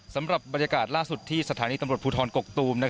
สำหรับบรรยากาศล่าสุดที่สถานีตำรวจภูทรกกตูม